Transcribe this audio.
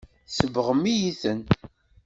Tsebɣem-iyi-ten.